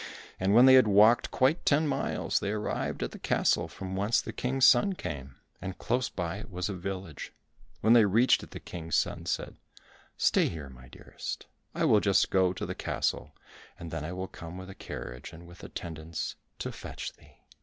And when they had walked quite ten miles, they arrived at the castle from whence the King's son came, and close by it was a village. When they reached it, the King's son said, "Stay here, my dearest, I will just go to the castle, and then will I come with a carriage and with attendants to fetch thee."